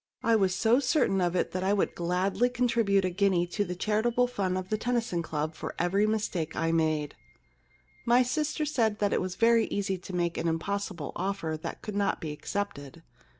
I was so certain of it that I would gladly con tribute a guinea to the charitable fund of the Tennyson Club for every mistake that I made. * My sister said that it was very easy to make an impossible offer that could not be accepted.